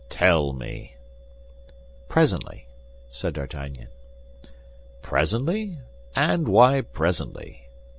"Tell me." "Presently," said D'Artagnan. "Presently! And why presently?